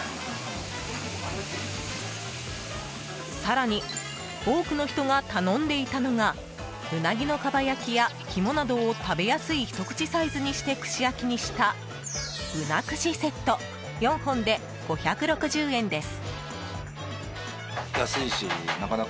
更に、多くの人が頼んでいたのがウナギのかば焼きや肝などを食べやすいひと口サイズにして串焼きにしたうな串セット４本で５６０円です。